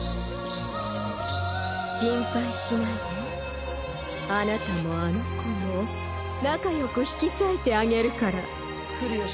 心配しないであなたもあの子も仲良く引き裂いてあげるから来るよ